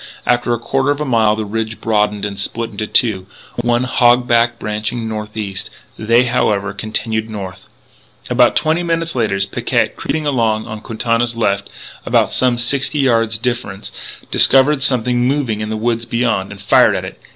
After a quarter of a mile the ridge broadened and split into two, one hog back branching northeast! They, however, continued north. About twenty minutes later Picquet, creeping along on Quintana's left, and some sixty yards distant, discovered something moving in the woods beyond, and fired at it.